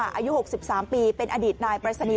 อายุ๖๓ปีเป็นอดีตนายปริศนีย์